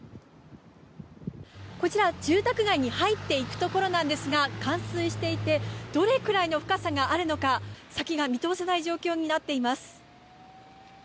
こちら、住宅街に入っていくところなんですが冠水していてどれくらいの深さがあるのか先が見通せない状況になっています。